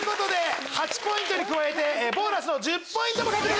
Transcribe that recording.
８ポイントに加えてボーナスの１０ポイントも獲得です。